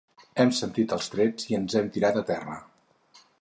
Hem sentit els trets i ens hem tirat a terra.